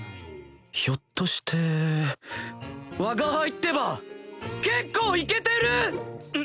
ひょっとしてわが輩ってば結構イケてる！